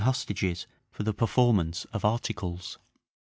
hostages for the performance of articles.